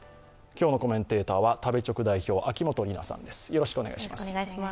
今日のコメンテーターは食べチョク代表、秋元里奈さんです。